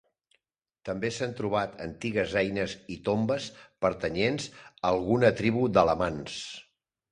També s'han trobat antigues eines i tombes pertanyents a alguna tribu d'alamans.